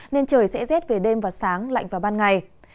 nên trời sẽ rét về đêm và sáng lạnh vào ban ngày